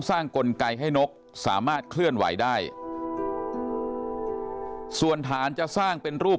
กลไกให้นกสามารถเคลื่อนไหวได้ส่วนฐานจะสร้างเป็นรูป